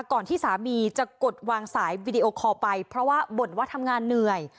ที่สามีจะกดวางสายวิดีโอคอลไปเพราะว่าบ่นว่าทำงานเหนื่อย